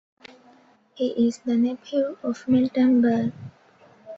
He is the nephew of Milton Berle.